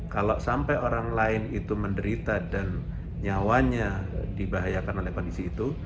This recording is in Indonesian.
kalau sampai orang lain itu menderita dan nyawanya dibahayakan oleh kondisi itu